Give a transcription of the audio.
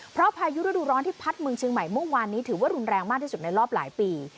เพราะพายุฤดูร้อนที่พัดเมืองเชียงใหม่เมื่อวานนี้ถือว่ารุนแรงมากที่สุดในรอบหลายปี